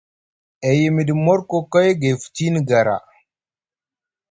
E yimiɗi morkokoy gay futini gara.